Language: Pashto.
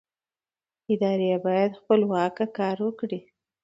ادارې باید خپلواکه کار وکړي